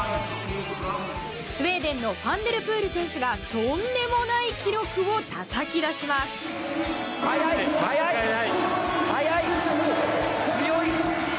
スウェーデンのファン・デル・プール選手がとんでもない記録をたたき出します。